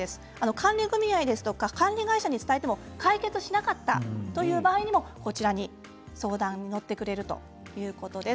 管理組合や管理会社に伝えても解決しなかったという場合にもこちらに相談に乗ってくれるということです。